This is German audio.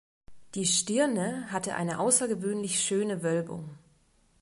Die Stirne hatte eine außergewöhnlich schöne Wölbung.